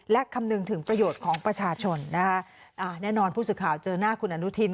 และคำนึงถึงประโยชน์ของประชาชนนะคะอ่าแน่นอนผู้สื่อข่าวเจอหน้าคุณอนุทิน